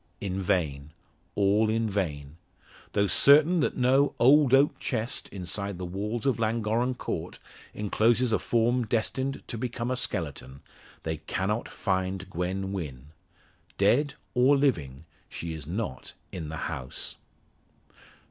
In vain all in vain. Though certain that no "old oak chest" inside the walls of Llangorren Court encloses a form destined to become a skeleton, they cannot find Gwen Wynn. Dead, or living, she is not in the house.